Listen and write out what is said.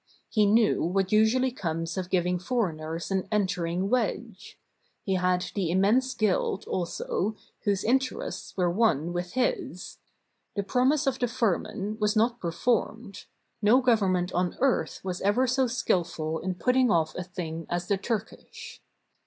He knew what usually comes of giving foreigners an entering wedge. He had the immense guild, also, whose interests were one with his. The promise of the firman was not per formed. No Government on earth was ever so skillful in putting off a thing as the Turkish.